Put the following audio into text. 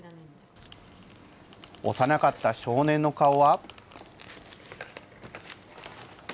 幼かった少年の顔は。